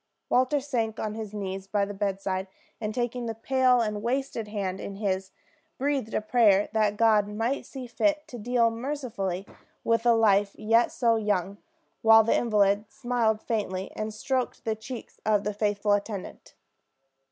Walter sank on his knees by the bedside and taking the pale and wasted hand in his, breathed a prayer that God might see fit to deal mercifully with a life yet so young; while the invalid smiled faintly, and stroked the cheek of his faithful attendant.